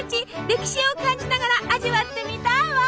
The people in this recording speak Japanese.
歴史を感じながら味わってみたいわ！